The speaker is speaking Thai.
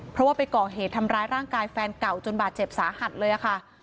เพราะว่าไปก่อเหตุทำร้ายร่างกายแฟนเก่าจนบาดเจ็บสาหัสเลยค่ะ